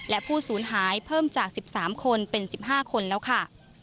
และผู้สูญหายเพิ่มจาก๑๓คนเป็น๑๕คนแล้วค่ะ